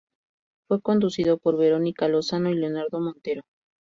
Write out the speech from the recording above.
Fue conducido por Verónica Lozano y Leonardo Montero.